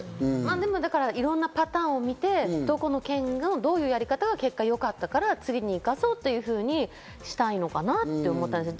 でも、だから、いろんなパターンを見て、どこの県のどういうやり方が結果よかったから次に生かそうというふうにしたいのかなって思ったんです。